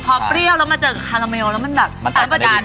พอเปรี้ยวแล้วมันเจอกับคาราเมลแล้วมันแบบอันประดาน